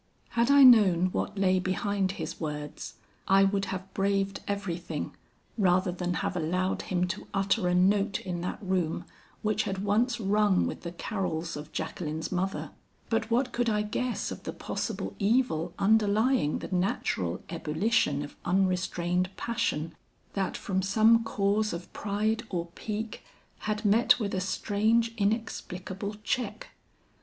"Had I known what lay behind his words, I would have braved everything rather than have allowed him to utter a note in that room which had once rung with the carols of Jacqueline's mother. But what could I guess of the possible evil underlying the natural ebullition of unrestrained passion that from some cause of pride or pique, had met with a strange inexplicable check.